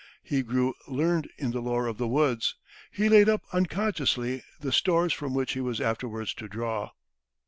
He grew learned in the lore of the woods, and laid up unconsciously the stores from which he was afterwards to draw.